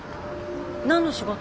何の仕事？